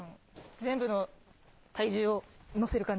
全部の体重を載せる感じ。